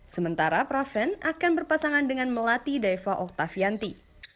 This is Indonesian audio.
sementara pravin akan berpasangan dengan melati daiva oktavianti